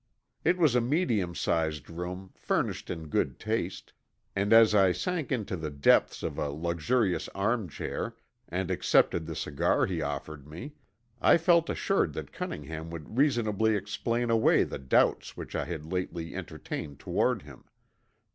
It was a medium sized room furnished in good taste, and as I sank into the depths of a luxurious arm chair and accepted the cigar he offered me I felt assured that Cunningham could reasonably explain away the doubts which I had lately entertained toward him.